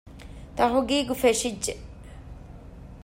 ތަހުޤީޤު ފެށިއްޖެ